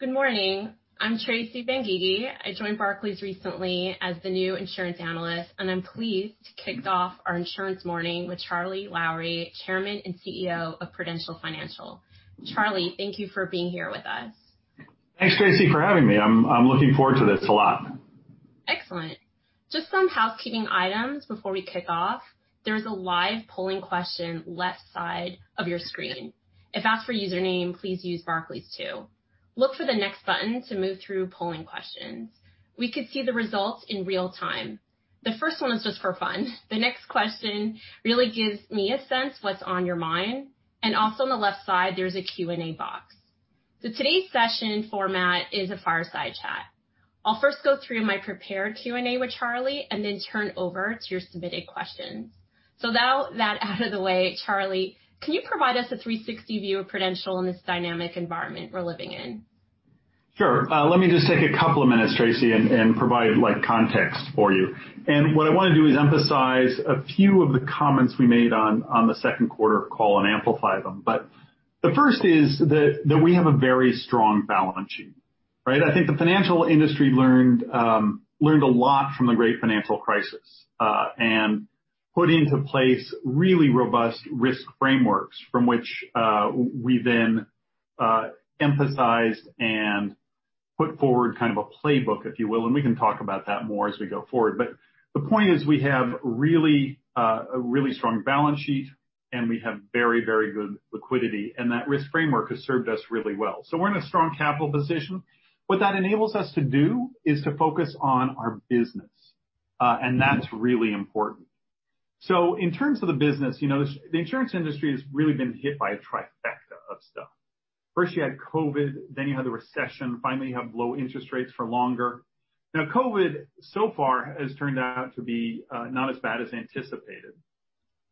Good morning. I'm Tracy Dolin-Benguigui. I joined Barclays recently as the new insurance analyst, and I'm pleased to kick off our insurance morning with Charlie Lowrey, Chairman and CEO of Prudential Financial. Charlie, thank you for being here with us. Thanks, Tracy, for having me. I'm looking forward to this a lot. Excellent. Just some housekeeping items before we kick off. There is a live polling question left side of your screen. If asked for username, please use Barclays2. Look for the Next button to move through polling questions. We could see the results in real time. The first one is just for fun. The next question really gives me a sense of what's on your mind, and also on the left side, there's a Q&A box. Today's session format is a fireside chat. I'll first go through my prepared Q&A with Charlie and then turn over to your submitted questions. With that out of the way, Charlie, can you provide us a 360 view of Prudential in this dynamic environment we're living in? Sure. Let me just take a couple of minutes, Tracy, and provide context for you. What I want to do is emphasize a few of the comments we made on the second quarter call and amplify them. The first is that we have a very strong balance sheet, right? I think the financial industry learned a lot from the great financial crisis, and put into place really robust risk frameworks from which we then emphasized and put forward kind of a playbook, if you will, and we can talk about that more as we go forward. The point is, we have a really strong balance sheet, and we have very good liquidity, and that risk framework has served us really well. We're in a strong capital position. What that enables us to do is to focus on our business, and that's really important. In terms of the business, the insurance industry has really been hit by a trifecta of stuff. First you had COVID, then you had the recession, finally you have low interest rates for longer. COVID, so far, has turned out to be not as bad as anticipated.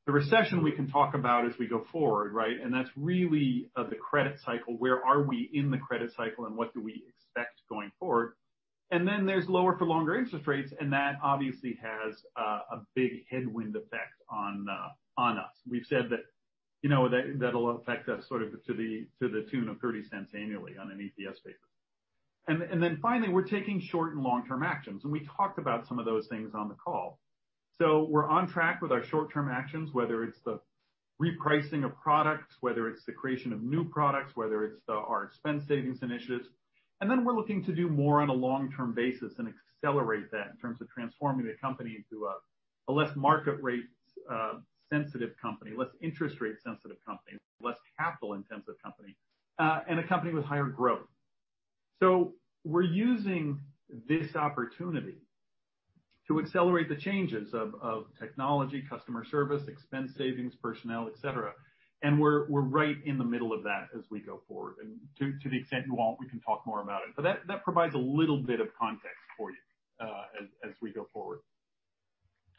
The recession we can talk about as we go forward, right? That's really of the credit cycle, where are we in the credit cycle and what do we expect going forward? There's lower for longer interest rates, and that obviously has a big headwind effect on us. We've said that that'll affect us sort of to the tune of $0.30 annually on an EPS basis. Finally, we're taking short and long-term actions, and we talked about some of those things on the call. We're on track with our short-term actions, whether it's the repricing of products, whether it's the creation of new products, whether it's our expense savings initiatives. We're looking to do more on a long-term basis and accelerate that in terms of transforming the company into a less market rate sensitive company, less interest rate sensitive company, less capital-intensive company, and a company with higher growth. We're using this opportunity to accelerate the changes of technology, customer service, expense savings, personnel, et cetera. We're right in the middle of that as we go forward. To the extent you want, we can talk more about it, but that provides a little bit of context for you as we go forward.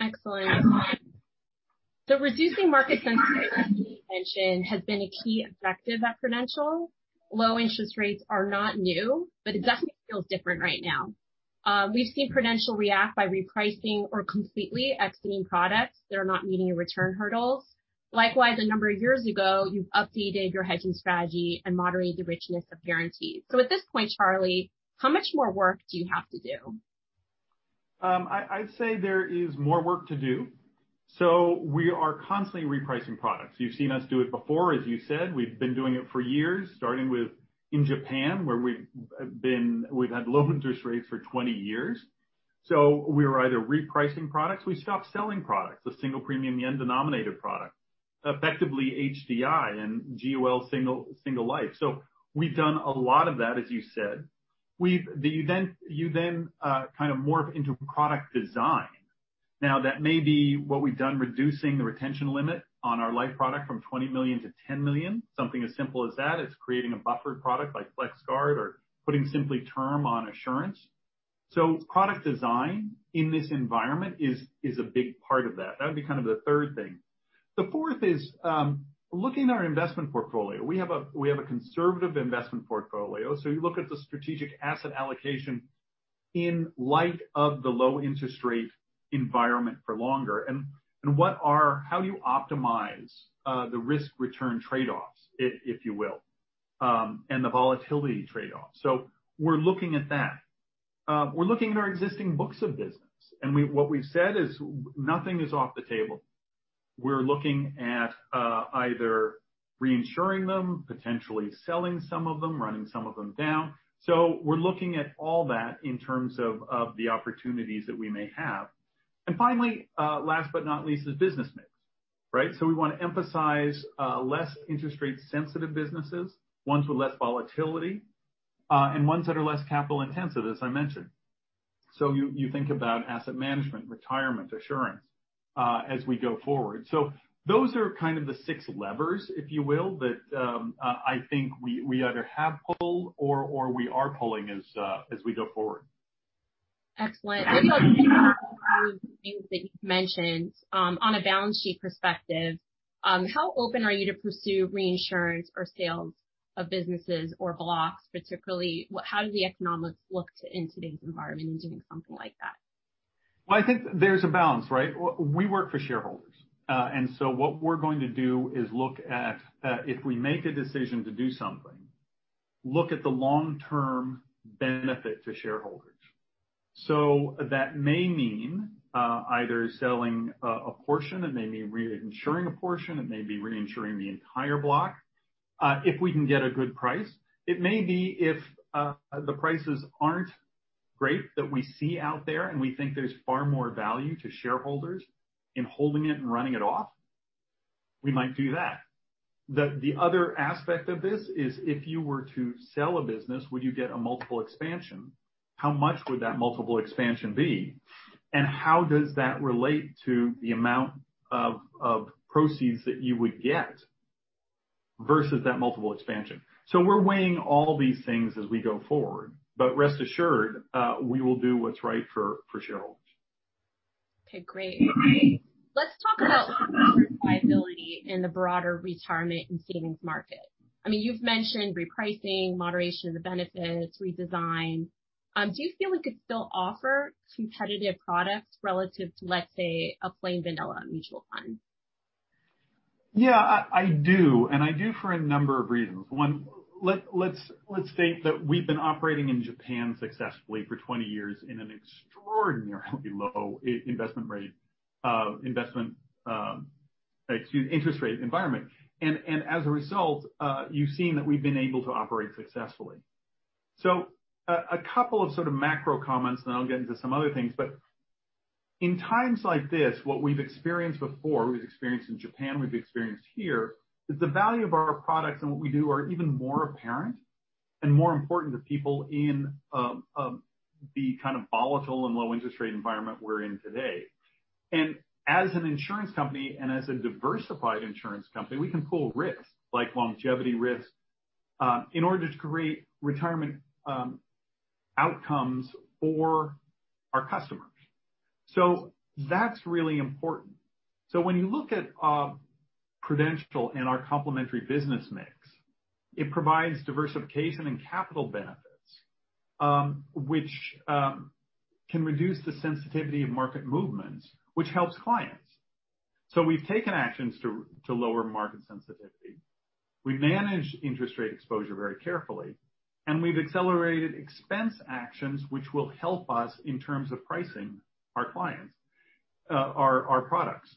Excellent. Reducing market sensitivity, as you mentioned, has been a key objective at Prudential. Low interest rates are not new, but it definitely feels different right now. We've seen Prudential react by repricing or completely exiting products that are not meeting your return hurdles. Likewise, a number of years ago, you've updated your hedging strategy and moderated the richness of guarantees. At this point, Charlie, how much more work do you have to do? I'd say there is more work to do. We are constantly repricing products. You've seen us do it before, as you said. We've been doing it for years, starting with in Japan, where we've had low interest rates for 20 years. We were either repricing products, we stopped selling products, the single premium, the yen-denominated product, effectively HDI and GUL single life. We've done a lot of that, as you said. You kind of morph into product design. That may be what we've done, reducing the retention limit on our life product from $20 million to $10 million. Something as simple as that is creating a buffered product like FlexGuard or putting SimplyTerm on Assurance. Product design in this environment is a big part of that. That would be kind of the third thing. The fourth is looking at our investment portfolio. We have a conservative investment portfolio. You look at the strategic asset allocation in light of the low interest rate environment for longer, and how you optimize the risk return trade-offs, if you will, and the volatility trade-off. We're looking at that. We're looking at our existing books of business, and what we've said is nothing is off the table. We're looking at either reinsuring them, potentially selling some of them, running some of them down. We're looking at all that in terms of the opportunities that we may have. Finally, last but not least, is business mix, right? We want to emphasize less interest rate sensitive businesses, ones with less volatility, and ones that are less capital-intensive, as I mentioned. You think about asset management, retirement assurance as we go forward. Those are kind of the six levers, if you will, that I think we either have pulled or we are pulling as we go forward. Excellent. Maybe I'll take you through the things that you've mentioned. On a balance sheet perspective, how open are you to pursue reinsurance or sales of businesses or blocks particularly? How do the economics look in today's environment in doing something like that? Well, I think there's a balance, right? We work for shareholders. What we're going to do is look at, if we make a decision to do something, look at the long-term benefit to shareholders. That may mean either selling a portion, it may mean re-insuring a portion, it may be re-insuring the entire block, if we can get a good price. It may be if the prices aren't great that we see out there, and we think there's far more value to shareholders in holding it and running it off, we might do that. The other aspect of this is if you were to sell a business, would you get a multiple expansion? How much would that multiple expansion be? How does that relate to the amount of proceeds that you would get versus that multiple expansion? We're weighing all these things as we go forward. Rest assured, we will do what's right for shareholders. Okay, great. Let's talk about viability in the broader retirement and savings market. You've mentioned repricing, moderation of the benefits, redesign. Do you feel we could still offer competitive products relative to, let's say, a plain vanilla mutual fund? Yeah, I do. I do for a number of reasons. One, let's state that we've been operating in Japan successfully for 20 years in an extraordinarily low interest rate environment. As a result, you've seen that we've been able to operate successfully. A couple of sort of macro comments, then I'll get into some other things. In times like this, what we've experienced before, we've experienced in Japan, we've experienced here, is the value of our products and what we do are even more apparent and more important to people in the kind of volatile and low interest rate environment we're in today. As an insurance company and as a diversified insurance company, we can pool risks, like longevity risks, in order to create retirement outcomes for our customers. That's really important. When you look at Prudential and our complementary business mix, it provides diversification and capital benefits, which can reduce the sensitivity of market movements, which helps clients. We've taken actions to lower market sensitivity. We manage interest rate exposure very carefully, and we've accelerated expense actions, which will help us in terms of pricing our products.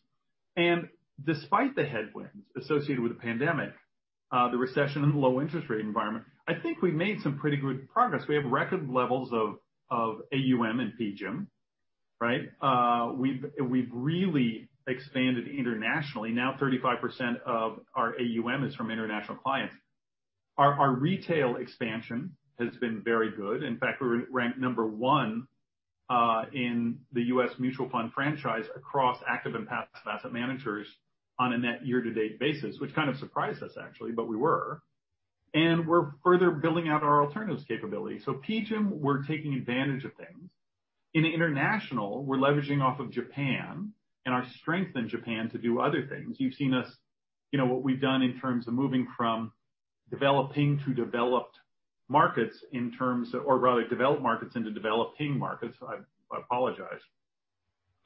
Despite the headwinds associated with the pandemic, the recession and low interest rate environment, I think we made some pretty good progress. We have record levels of AUM and PGIM, right? We've really expanded internationally. Now 35% of our AUM is from international clients. Our retail expansion has been very good. In fact, we ranked number 1 in the U.S. Mutual Fund franchise across active and passive asset managers on a net year-to-date basis, which kind of surprised us actually, but we were. We're further building out our alternatives capability. PGIM, we're taking advantage of things. In international, we're leveraging off of Japan and our strength in Japan to do other things. You've seen what we've done in terms of moving from developing to developed markets in terms of, or rather developed markets into developing markets, I apologize,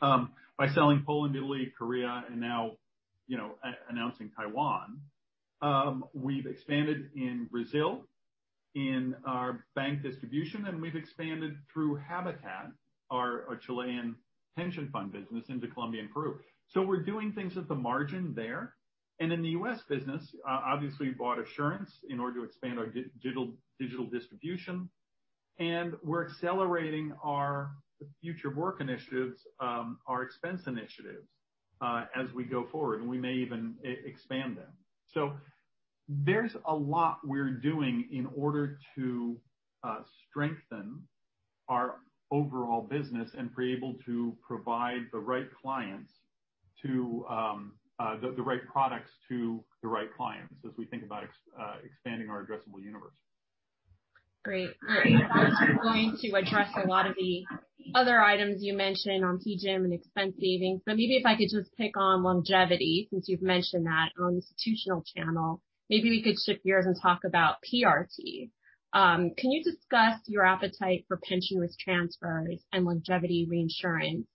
by selling Poland, Italy, Korea, and now announcing Taiwan. We've expanded in Brazil in our bank distribution, and we've expanded through Habitat, our Chilean pension fund business into Colombia and Peru. We're doing things at the margin there. In the U.S. business, obviously, we bought Assurance in order to expand our digital distribution, and we're accelerating our future work initiatives, our expense initiatives as we go forward, and we may even expand them. There's a lot we're doing in order to strengthen our overall business and be able to provide the right products to the right clients as we think about expanding our addressable universe. Great. I think I'm going to address a lot of the other items you mentioned on PGIM and expense savings. Maybe if I could just pick on longevity, since you've mentioned that on institutional channel. Maybe we could shift gears and talk about PRT. Can you discuss your appetite for pension risk transfers and longevity reinsurance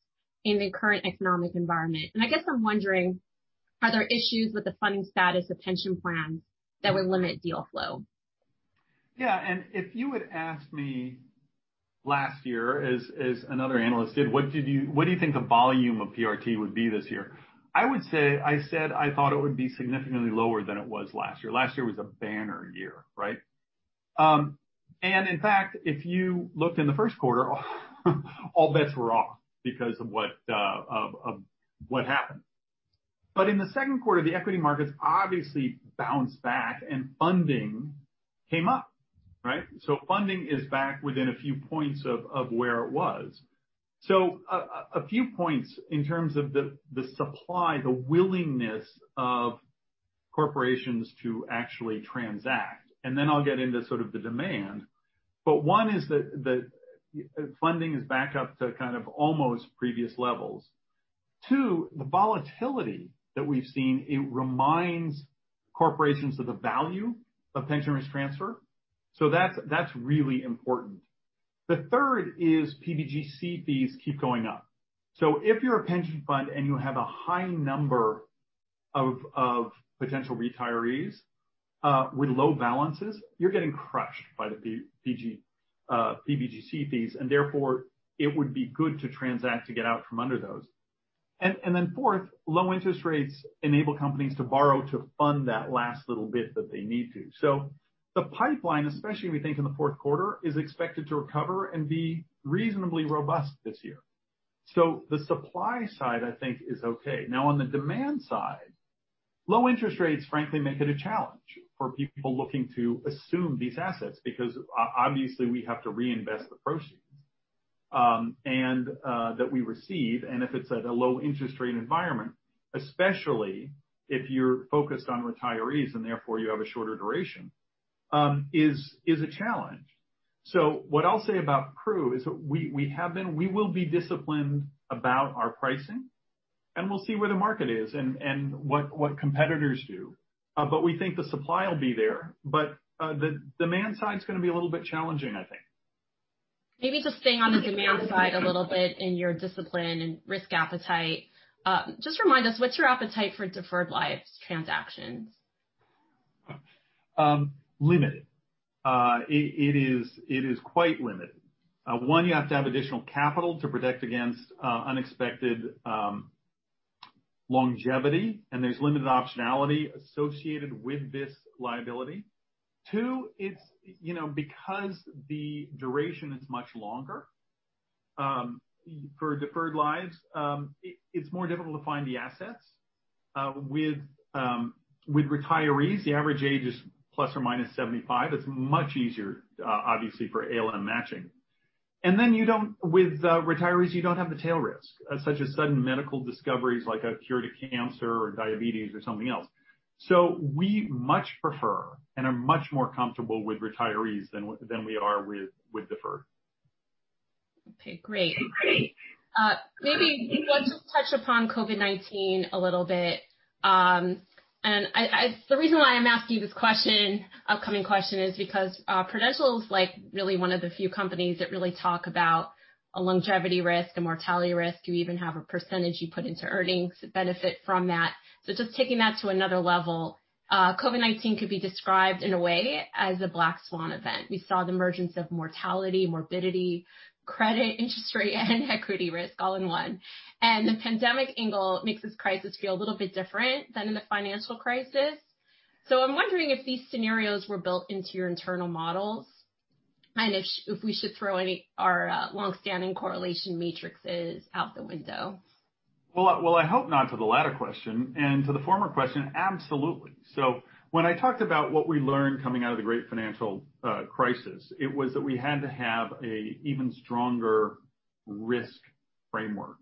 in the current economic environment? I guess I'm wondering, are there issues with the funding status of pension plans that would limit deal flow? Yeah. If you had asked me last year as another analyst did, "What do you think the volume of PRT would be this year?" I said, I thought it would be significantly lower than it was last year. Last year was a banner year, right? In fact, if you looked in the first quarter all bets were off because of what happened. In the second quarter, the equity markets obviously bounced back and funding came up, right? Funding is back within a few points of where it was. A few points in terms of the supply, the willingness of corporations to actually transact, and then I'll get into sort of the demand. One is that funding is back up to kind of almost previous levels. Two, the volatility that we've seen, it reminds corporations of the value of pension risk transfer. That's really important. The third is PBGC fees keep going up. If you're a pension fund and you have a high number of potential retirees, with low balances, you're getting crushed by the PBGC fees, and therefore it would be good to transact to get out from under those. Fourth, low interest rates enable companies to borrow to fund that last little bit that they need to. The pipeline, especially we think in the fourth quarter, is expected to recover and be reasonably robust this year. The supply side, I think, is okay. On the demand side, low interest rates frankly make it a challenge for people looking to assume these assets, because obviously we have to reinvest the proceeds that we receive, and if it's at a low interest rate environment, especially if you're focused on retirees and therefore you have a shorter duration, is a challenge. What I'll say about Pru is we will be disciplined about our pricing, and we'll see where the market is and what competitors do. We think the supply will be there. The demand side's going to be a little bit challenging, I think. Maybe just staying on the demand side a little bit in your discipline and risk appetite. Just remind us, what's your appetite for deferred lives transactions? Limited. It is quite limited. One, you have to have additional capital to protect against unexpected longevity, and there's limited optionality associated with this liability. Two, because the duration is much longer, for deferred lives, it's more difficult to find the assets. With retirees, the average age is ±75. It's much easier, obviously, for ALM matching. With retirees, you don't have the tail risk, such as sudden medical discoveries like a cure to cancer or diabetes or something else. We much prefer and are much more comfortable with retirees than we are with deferred. Okay, great. Maybe you could just touch upon COVID-19 a little bit. The reason why I'm asking you this upcoming question is because Prudential is really one of the few companies that really talk about a longevity risk, a mortality risk. You even have a percentage you put into earnings that benefit from that. Just taking that to another level, COVID-19 could be described in a way as a black swan event. We saw the emergence of mortality, morbidity, credit, interest rate, and equity risk all in one. And the pandemic angle makes this crisis feel a little bit different than in the financial crisis. So I'm wondering if these scenarios were built into your internal models and if we should throw our longstanding correlation matrices out the window. Well, I hope not to the latter question, to the former question, absolutely. When I talked about what we learned coming out of the great financial crisis, it was that we had to have an even stronger risk framework.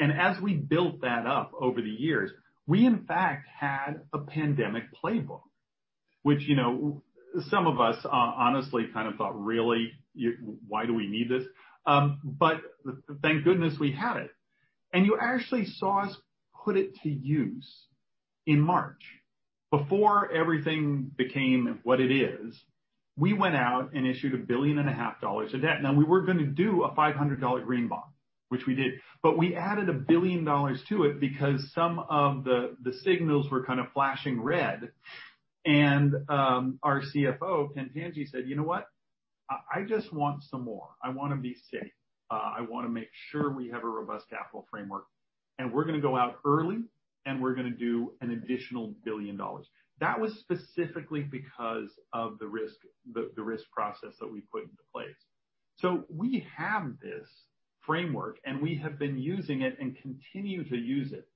As we built that up over the years, we in fact had a pandemic playbook, which some of us honestly kind of thought, "Really? Why do we need this?" But thank goodness we had it. And you actually saw us put it to use in March. Before everything became what it is, we went out and issued $1.5 billion of debt. We were going to do a $500 green bond, which we did. But we added $1 billion to it because some of the signals were kind of flashing red and our CFO, Kenneth Tanji, said, "You know what? I just want some more. I want to be safe. I want to make sure we have a robust capital framework, and we're going to go out early and we're going to do an additional $1 billion." That was specifically because of the risk process that we put into place. We have this framework, and we have been using it and continue to use it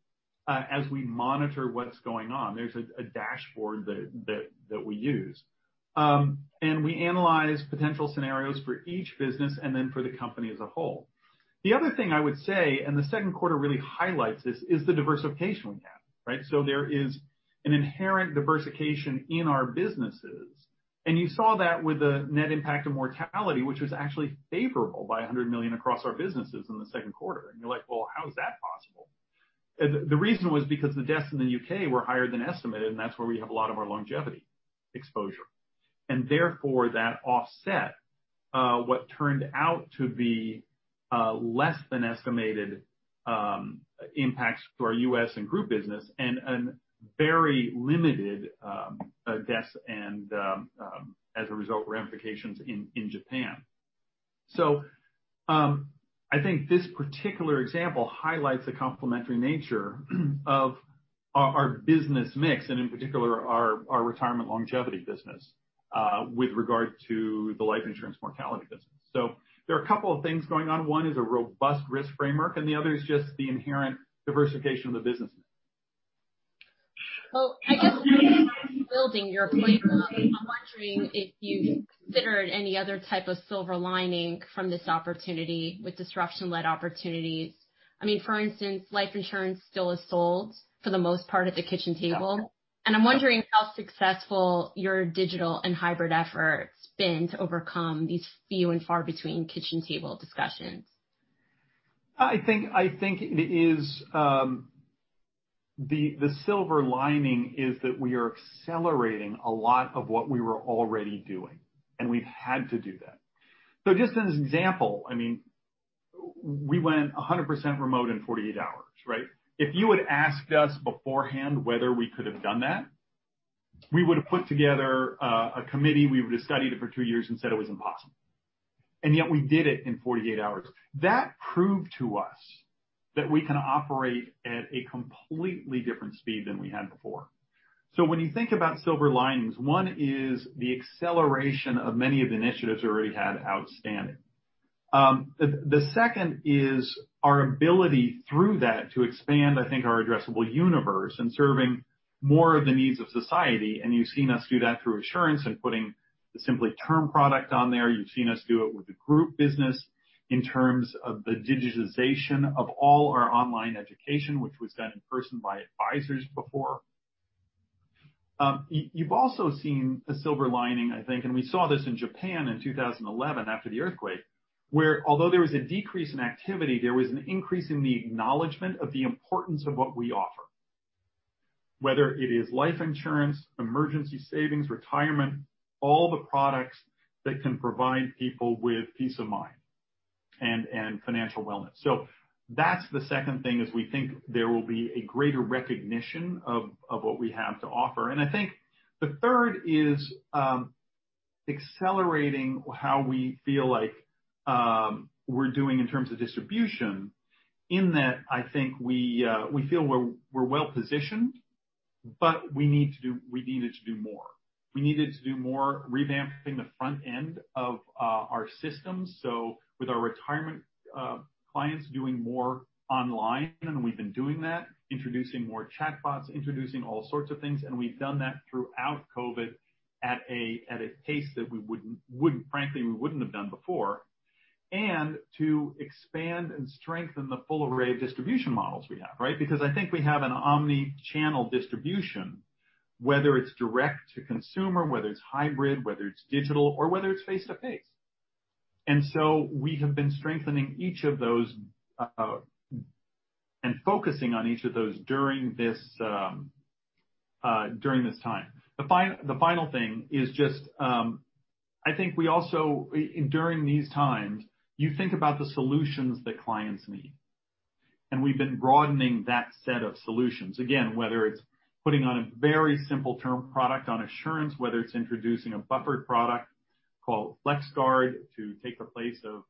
as we monitor what's going on. There's a dashboard that we use. We analyze potential scenarios for each business and then for the company as a whole. The other thing I would say, the second quarter really highlights this, is the diversification we have. Right? There is an inherent diversification in our businesses, and you saw that with the net impact of mortality, which was actually favorable by $100 million across our businesses in the second quarter. You're like, "Well, how is that possible?" The reason was because the deaths in the U.K. were higher than estimated, and that's where we have a lot of our longevity exposure. Therefore, that offset what turned out to be less than estimated impacts to our U.S. and group business and very limited deaths and, as a result, ramifications in Japan. I think this particular example highlights the complementary nature of our business mix and in particular our retirement longevity business with regard to the life insurance mortality business. There are a couple of things going on. One is a robust risk framework, and the other is just the inherent diversification of the business. Well, I guess, building your playbook, I'm wondering if you considered any other type of silver lining from this opportunity with disruption-led opportunities. For instance, life insurance still is sold for the most part, at the kitchen table. Yeah. I'm wondering how successful your digital and hybrid effort's been to overcome these few and far between kitchen table discussions. I think the silver lining is that we are accelerating a lot of what we were already doing, and we've had to do that. Just as an example, we went 100% remote in 48 hours, right? If you had asked us beforehand whether we could have done that, we would've put together a committee, we would've studied it for two years and said it was impossible. Yet we did it in 48 hours. That proved to us that we can operate at a completely different speed than we had before. When you think about silver linings, one is the acceleration of many of the initiatives we already had outstanding. The second is our ability through that to expand, I think, our addressable universe and serving more of the needs of society, and you've seen us do that through Assurance and putting the SimplyTerm product on there. You've seen us do it with the group business in terms of the digitization of all our online education, which was done in person by advisors before. You've also seen a silver lining, I think, and we saw this in Japan in 2011 after the earthquake, where although there was a decrease in activity, there was an increase in the acknowledgement of the importance of what we offer. Whether it is life insurance, emergency savings, retirement, all the products that can provide people with peace of mind and financial wellness. That's the second thing, is we think there will be a greater recognition of what we have to offer. I think the third is accelerating how we feel like we're doing in terms of distribution in that I think we feel we're well positioned, but we needed to do more. We needed to do more revamping the front end of our systems. With our retirement clients doing more online, and we've been doing that, introducing more chatbots, introducing all sorts of things, and we've done that throughout COVID at a pace that frankly, we wouldn't have done before. To expand and strengthen the full array of distribution models we have, right? Because I think we have an omni-channel distribution, whether it's direct to consumer, whether it's hybrid, whether it's digital, or whether it's face-to-face. We have been strengthening each of those and focusing on each of those during this time. The final thing is just, I think we also, during these times, you think about the solutions that clients need, and we've been broadening that set of solutions. Again, whether it's putting on a very simple term product on Assurance, whether it's introducing a buffered product called FlexGuard to take the place of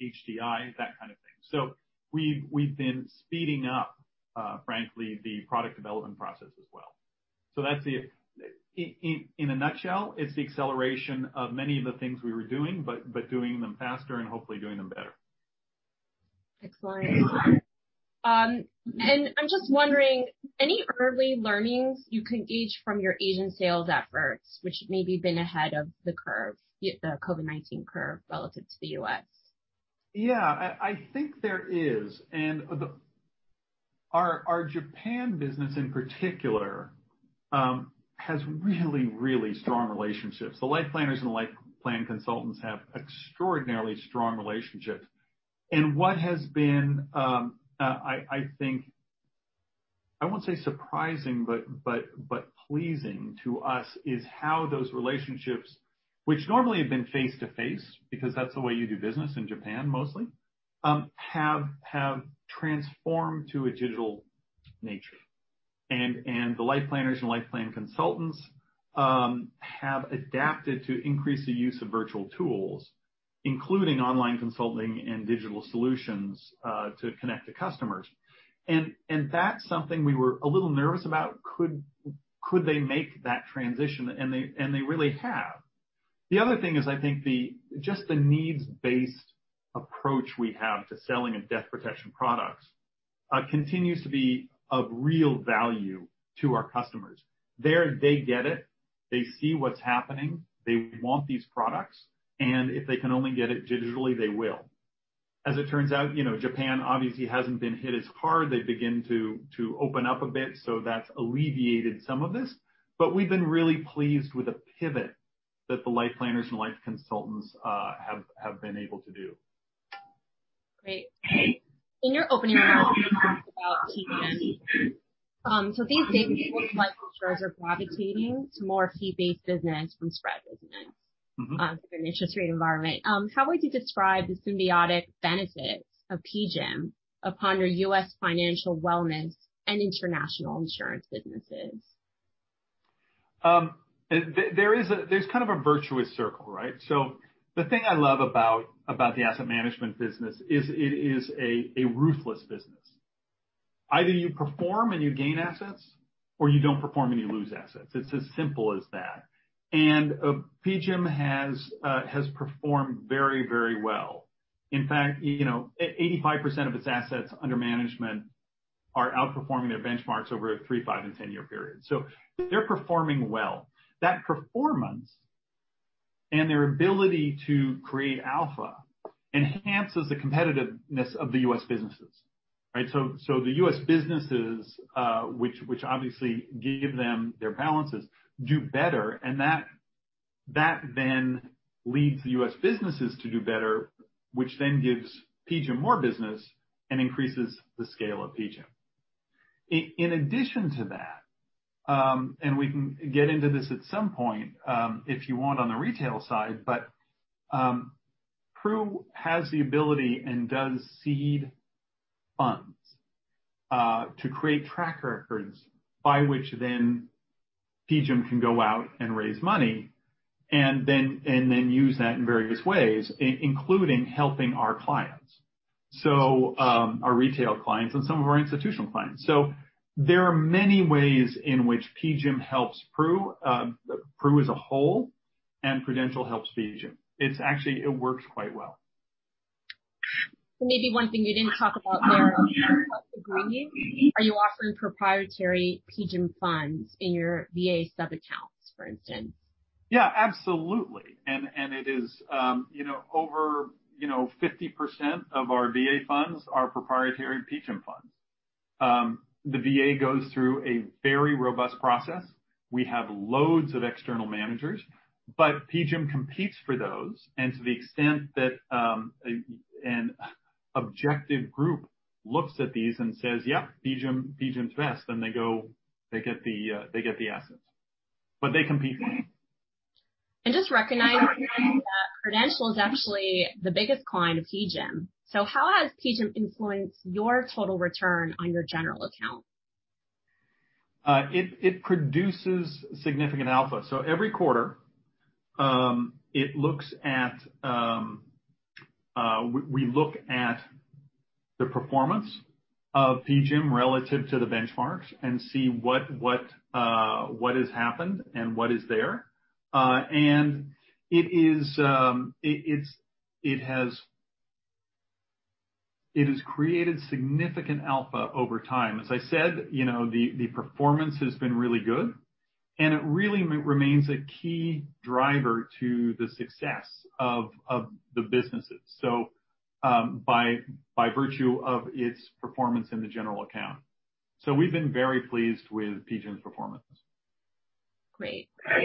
HDI, that kind of thing. We've been speeding up, frankly, the product development process as well. That's it in a nutshell. It's the acceleration of many of the things we were doing, but doing them faster and hopefully doing them better. Excellent. I'm just wondering, any early learnings you can gauge from your Asian sales efforts, which may have been ahead of the curve, the COVID-19 curve, relative to the U.S.? Yeah. I think there is, and our Japan business in particular, has really strong relationships. The life planners and life plan consultants have extraordinarily strong relationships. What has been, I think, I won't say surprising, but pleasing to us is how those relationships, which normally have been face-to-face, because that's the way you do business in Japan mostly, have transformed to a digital nature. The life planners and life plan consultants have adapted to increase the use of virtual tools, including online consulting and digital solutions, to connect to customers. That's something we were a little nervous about. Could they make that transition? And they really have. The other thing is, I think just the needs-based approach we have to selling a death protection products continues to be of real value to our customers. There, they get it. They see what's happening. They want these products, and if they can only get it digitally, they will. As it turns out, Japan obviously hasn't been hit as hard. They begin to open up a bit. That's alleviated some of this, but we've been really pleased with the pivot that the life planners and life consultants have been able to do. Great. In your opening remarks, you talked about PGIM. These days, people with life insurance are gravitating to more fee-based business from spread business. On an interest rate environment. How would you describe the symbiotic benefits of PGIM upon your U.S. financial wellness and international insurance businesses? There's kind of a virtuous circle, right? The thing I love about the asset management business is it is a ruthless business. Either you perform and you gain assets, or you don't perform, and you lose assets. It's as simple as that. PGIM has performed very, very well. In fact, 85% of its assets under management are outperforming their benchmarks over a three, five, and 10-year period. They're performing well. That performance and their ability to create alpha enhances the competitiveness of the U.S. businesses, right? The U.S. businesses, which obviously give them their balances, do better, and that then leads U.S. businesses to do better, which then gives PGIM more business and increases the scale of PGIM. In addition to that, and we can get into this at some point, if you want on the retail side. PRU has the ability and does seed funds to create track records by which then PGIM can go out and raise money and then use that in various ways, including helping our clients. Our retail clients and some of our institutional clients. There are many ways in which PGIM helps PRU as a whole and Prudential helps PGIM. It works quite well. Maybe one thing you didn't talk about there are you offering proprietary PGIM funds in your VA sub-accounts, for instance? Yeah, absolutely. It is over 50% of our VA funds are proprietary PGIM funds. The VA goes through a very robust process. We have loads of external managers, PGIM competes for those. To the extent that an objective group looks at these and says, "Yeah, PGIM's best," then they get the assets. They compete for them. Just recognizing that Prudential is actually the biggest client of PGIM. How has PGIM influenced your total return on your general account? It produces significant alpha. Every quarter, we look at the performance of PGIM relative to the benchmarks and see what has happened and what is there. It has created significant alpha over time. As I said, the performance has been really good, and it really remains a key driver to the success of the businesses by virtue of its performance in the general account. We've been very pleased with PGIM's performance. Great. We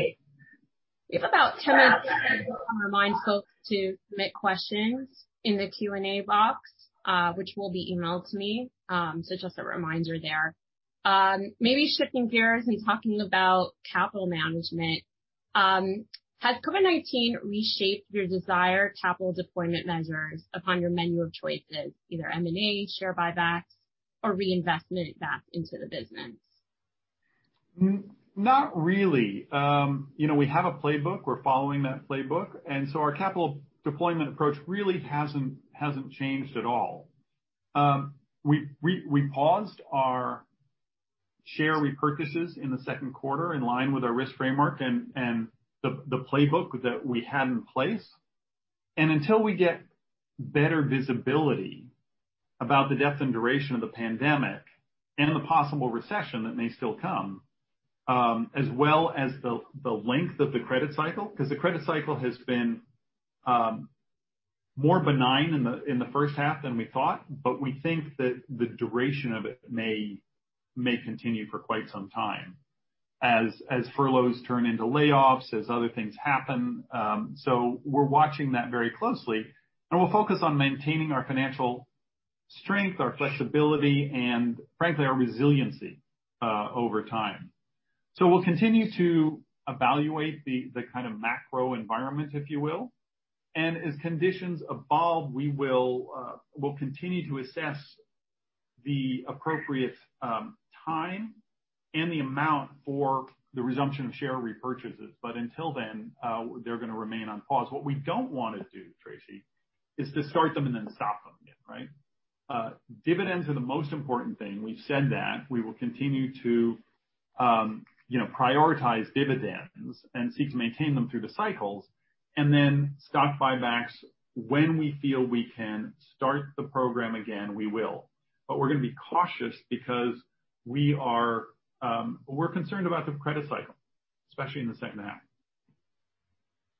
have about 10 minutes left. I'll remind folks to submit questions in the Q&A box, which will be emailed to me. Just a reminder there. Maybe shifting gears and talking about capital management. Has COVID-19 reshaped your desired capital deployment measures upon your menu of choices, either M&A, share buybacks, or reinvestment back into the business? Not really. We have a playbook. We're following that playbook, our capital deployment approach really hasn't changed at all. We paused our share repurchases in the second quarter in line with our risk framework and the playbook that we had in place. Until we get better visibility about the depth and duration of the pandemic and the possible recession that may still come, as well as the length of the credit cycle, because the credit cycle has been more benign in the first half than we thought. We think that the duration of it may continue for quite some time as furloughs turn into layoffs, as other things happen. We're watching that very closely, and we'll focus on maintaining our financial strength, our flexibility, and frankly, our resiliency over time. We'll continue to evaluate the kind of macro environment, if you will. As conditions evolve, we'll continue to assess the appropriate time and the amount for the resumption of share repurchases. Until then, they're going to remain on pause. What we don't want to do, Tracy, is to start them and then stop them again, right? Dividends are the most important thing. We've said that. We will continue to prioritize dividends and seek to maintain them through the cycles, stock buybacks, when we feel we can start the program again, we will. We're going to be cautious because we're concerned about the credit cycle, especially in the second half.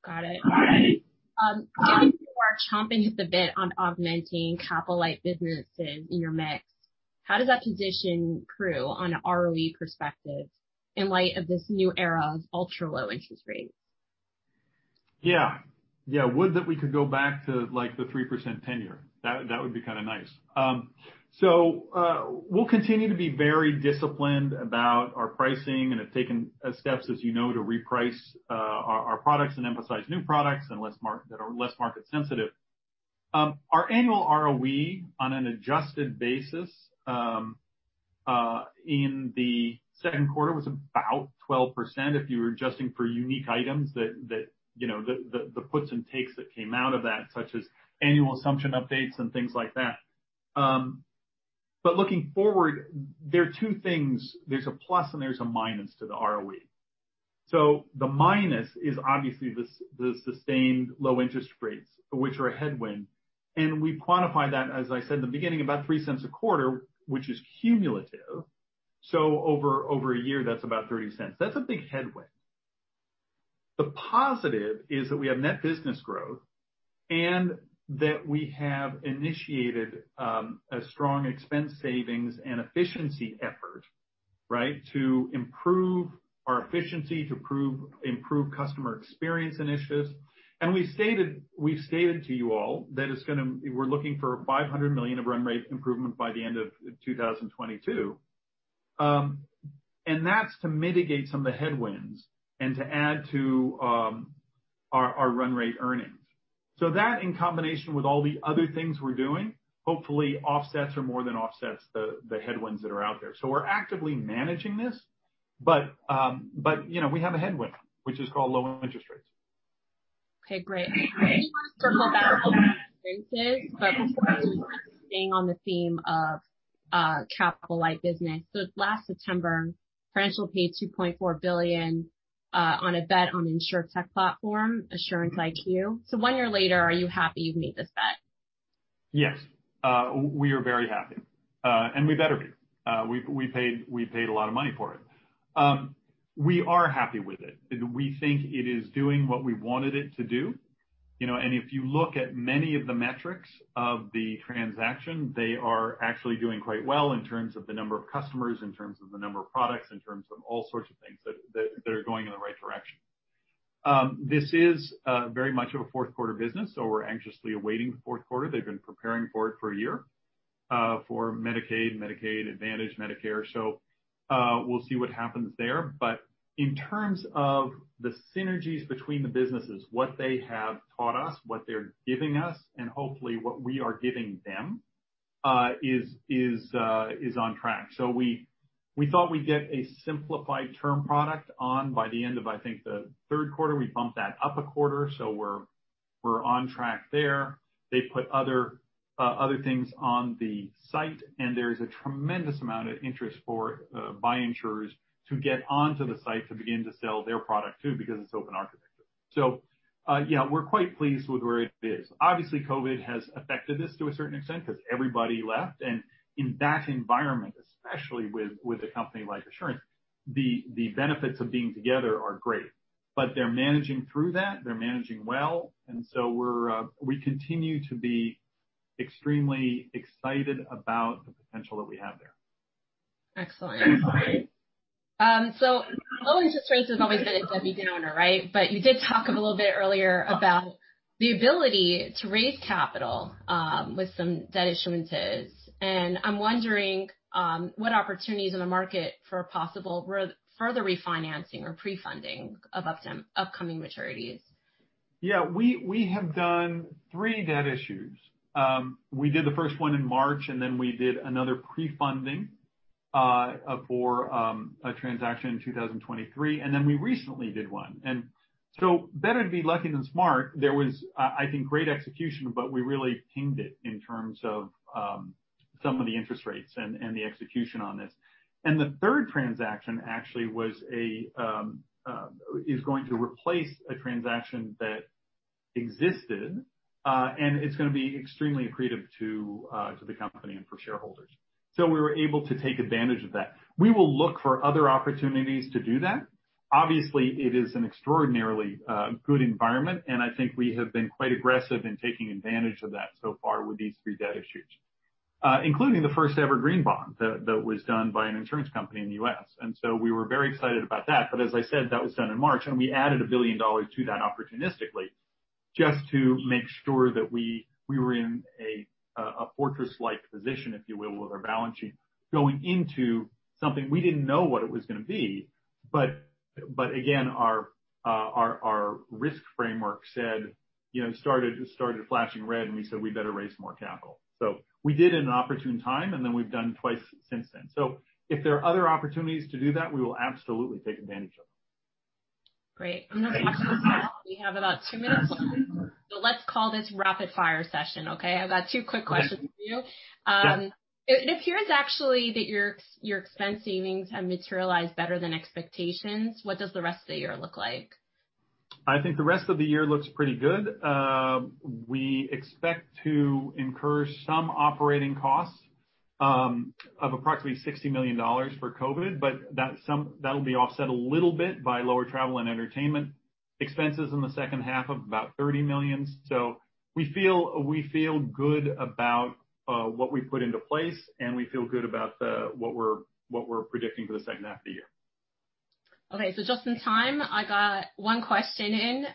Got it. As you are chomping at the bit on augmenting capital light businesses in your mix, how does that position PRU on an ROE perspective in light of this new era of ultra-low interest rates? Yeah. Would that we could go back to the 3% 10-year. That would be kind of nice. We'll continue to be very disciplined about our pricing and have taken steps, as you know, to reprice our products and emphasize new products that are less market sensitive. Our annual ROE on an adjusted basis, in the second quarter was about 12%, if you were adjusting for unique items, the puts and takes that came out of that, such as annual assumption updates and things like that. Looking forward, there are two things. There's a plus and there's a minus to the ROE. The minus is obviously the sustained low interest rates, which are a headwind. We quantify that, as I said in the beginning, about $0.03 a quarter, which is cumulative. Over a year, that's about $0.30. That's a big headwind. The positive is that we have net business growth and that we have initiated a strong expense savings and efficiency effort, right? To improve our efficiency, to improve customer experience initiatives. We've stated to you all that we're looking for $500 million of run rate improvement by the end of 2022. That's to mitigate some of the headwinds and to add to our run rate earnings. That in combination with all the other things we're doing, hopefully offsets or more than offsets the headwinds that are out there. We're actively managing this. We have a headwind, which is called low interest rates. Okay, great. I want to circle back on interest rates, before I do, staying on the theme of capital-light business. Last September, Prudential paid $2.4 billion on a bet on Insurtech platform, Assurance IQ. One year later, are you happy you've made this bet? Yes. We are very happy. We better be. We paid a lot of money for it. We are happy with it. We think it is doing what we wanted it to do. If you look at many of the metrics of the transaction, they are actually doing quite well in terms of the number of customers, in terms of the number of products, in terms of all sorts of things that are going in the right direction. This is very much of a fourth quarter business, we're anxiously awaiting the fourth quarter. They've been preparing for it for a year for Medicaid, Medicare Advantage, Medicare. We'll see what happens there. In terms of the synergies between the businesses, what they have taught us, what they're giving us, and hopefully what we are giving them is on track. We thought we'd get a SimplyTerm product on by the end of, I think, the third quarter. We bumped that up a quarter, we're on track there. They put other things on the site, there is a tremendous amount of interest by insurers to get onto the site to begin to sell their product too, because it's open architecture. Yeah, we're quite pleased with where it is. Obviously, COVID has affected this to a certain extent because everybody left, and in that environment, especially with a company like Assurance, the benefits of being together are great. They're managing through that. They're managing well, we continue to be extremely excited about the potential that we have there. Excellent. Low interest rates has always been a double-edged sword, right? You did talk a little bit earlier about the ability to raise capital with some debt issuances. I'm wondering what opportunities in the market for possible further refinancing or pre-funding of upcoming maturities. Yeah. We have done three debt issues. We did the first one in March, we did another pre-funding for a transaction in 2023, we recently did one. Better to be lucky than smart. There was, I think, great execution, we really timed it in terms of some of the interest rates and the execution on this. The third transaction actually is going to replace a transaction that existed, it's going to be extremely accretive to the company and for shareholders. We were able to take advantage of that. We will look for other opportunities to do that. Obviously, it is an extraordinarily good environment, I think we have been quite aggressive in taking advantage of that so far with these three debt issues, including the first ever green bond that was done by an insurance company in the U.S. We were very excited about that. As I said, that was done in March, we added $1 billion to that opportunistically just to make sure that we were in a fortress-like position, if you will, with our balance sheet going into something we didn't know what it was going to be. Again, our risk framework started flashing red, we said we better raise more capital. We did in an opportune time, we've done twice since then. If there are other opportunities to do that, we will absolutely take advantage of them. Great. I'm going to have to move on. We have about two minutes left, let's call this rapid fire session, okay? I've got two quick questions for you. Yeah. It appears actually that your expense savings have materialized better than expectations. What does the rest of the year look like? I think the rest of the year looks pretty good. We expect to incur some operating costs of approximately $60 million for COVID, that'll be offset a little bit by lower travel and entertainment expenses in the second half of about $30 million. We feel good about what we've put into place, and we feel good about what we're predicting for the second half of the year. Okay. Just in time, I got one question in.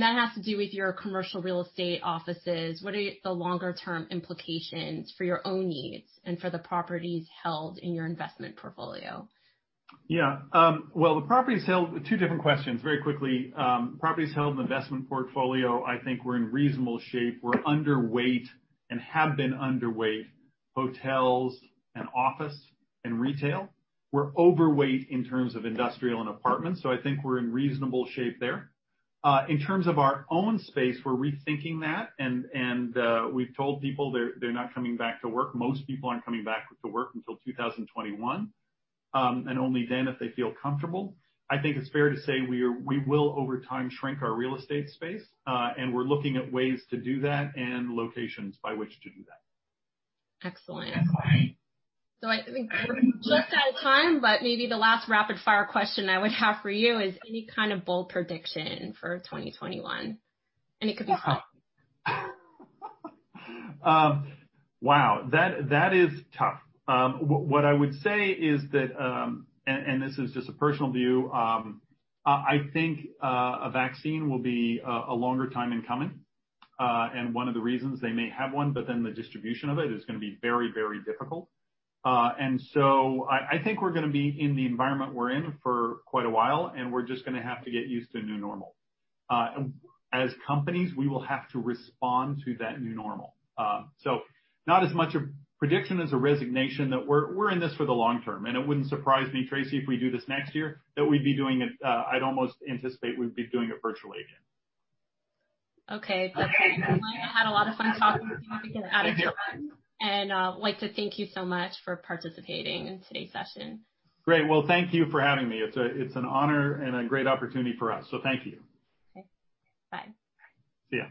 That has to do with your commercial real estate offices. What are the longer term implications for your own needs and for the properties held in your investment portfolio? Yeah. Two different questions, very quickly. Properties held in investment portfolio, I think we're in reasonable shape. We're underweight and have been underweight hotels and office and retail. We're overweight in terms of industrial and apartments. I think we're in reasonable shape there. In terms of our own space, we're rethinking that. We've told people they're not coming back to work. Most people aren't coming back to work until 2021. Only then if they feel comfortable. I think it's fair to say we will over time shrink our real estate space. We're looking at ways to do that and locations by which to do that. Excellent. I think we're just out of time. Maybe the last rapid fire question I would have for you is any kind of bold prediction for 2021? It could be. Wow. That is tough. What I would say is that, this is just a personal view, I think a vaccine will be a longer time in coming. One of the reasons they may have one, the distribution of it is going to be very difficult. I think we're going to be in the environment we're in for quite a while. We're just going to have to get used to a new normal. As companies, we will have to respond to that new normal. Not as much a prediction as a resignation that we're in this for the long term. It wouldn't surprise me, Tracy, if we do this next year, that I'd almost anticipate we'd be doing it virtually again. Okay. I had a lot of fun talking with you. Thank you. I'd like to thank you so much for participating in today's session. Great. Well, thank you for having me. It's an honor and a great opportunity for us, so thank you. Okay. Bye. See you.